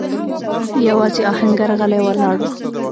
يواځې آهنګر غلی ولاړ و.